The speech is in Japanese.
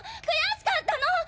悔しかったの！